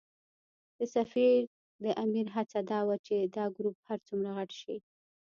د سفر د امیر هڅه دا وه چې دا ګروپ هر څومره غټ شي.